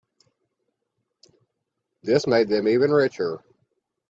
This made them even richer.